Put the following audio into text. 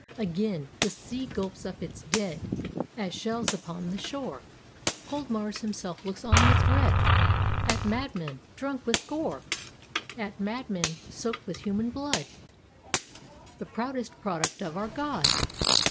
Again, the sea gulps up its dead As shells upon the shore— Cold Mars himself looks on with dread At madmen, drunk with gore! At madmen soaked with human blood— The proudest product of our God!